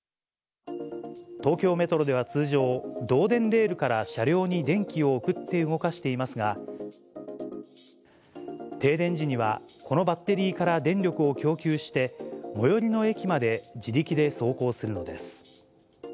東京メトロでは通常、導電レールから車両に電気を送って動かしていますが、停電時にはこのバッテリーから電力を供給して、最寄りの駅まで自力で走行するのです。